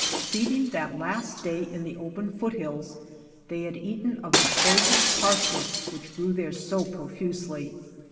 Feeding that last day in the open foothills, they had eaten of the poison parsnip which grew there so profusely.